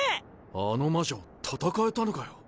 あの魔女戦えたのかよ。